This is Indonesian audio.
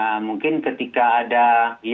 ya mungkin ketika ada yang mungkin mengajak kami ya